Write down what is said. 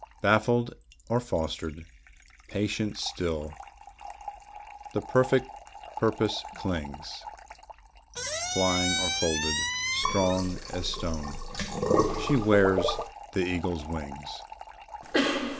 Baffled or fostered, patient still, the perfect purpose clings; Flying or folded, strong as stone, she wears the eagle's wings.